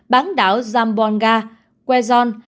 bán đảo zambonga quezon